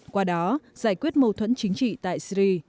qua đó giải quyết mâu thuẫn chính trị tại syri